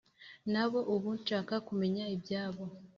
Nabo ubu nshaka kumenya ibyabo